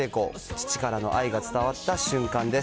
父からの愛が伝わった瞬間です。